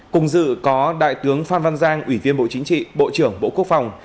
cùng dự có đại tướng phan văn giang ủy viên bộ chính trị bộ trưởng bộ quốc phòng